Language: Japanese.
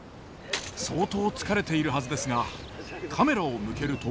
相当疲れているはずですがカメラを向けると。